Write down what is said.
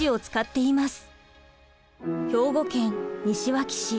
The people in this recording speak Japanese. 兵庫県西脇市。